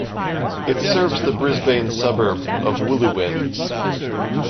It serves the Brisbane suburb of Wooloowin.